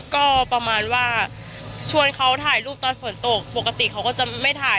ก็ประมาณว่าชวนเขาถ่ายรูปตอนฝนตกปกติเขาก็จะไม่ถ่าย